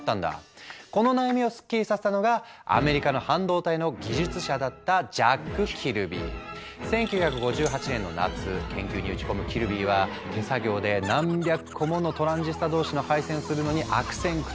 この悩みをスッキリさせたのがアメリカの半導体の技術者だった１９５８年の夏研究に打ち込むキルビーは手作業で何百個ものトランジスタ同士の配線をするのに悪戦苦闘。